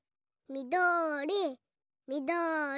みどりみどり。